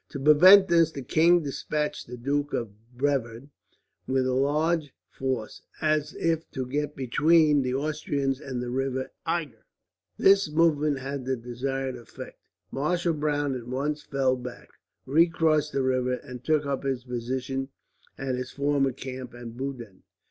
To prevent this, the king despatched the Duke of Bevern with a large force, as if to get between the Austrians and the river Eger. This movement had the desired effect. Marshal Browne at once fell back, recrossed the river, and took up his position at his former camp at Budin.